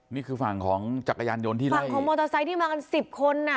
นี่คือฝั่งของจักรยานยนต์ที่หลังฝั่งของมอเตอร์ไซค์ที่มากัน๑๐คน